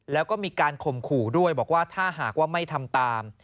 แล้วก็มีการข่มขู่ด้วยบอกว่าถ้าหากว่าไม่ทำตาม